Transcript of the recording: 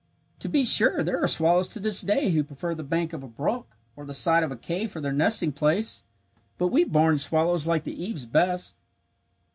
"To be sure there are swallows to this day who prefer the bank of a brook or the side of a cave for their nesting place. But we barn swallows like the eaves best."